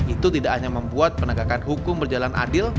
itu tidak hanya membuat penegakan hukum berjalan dengan baik